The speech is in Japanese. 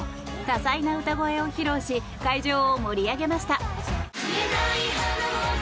多彩な歌声を披露し会場を盛り上げました。